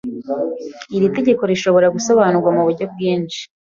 Iri tegeko rishobora gusobanurwa muburyo bwinshi.